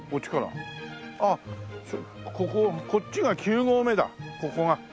こここっちが９合目だここが。